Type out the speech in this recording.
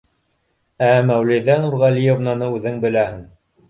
Ә Мәүлиҙә Нурғәлиевнаны үҙең беләһең.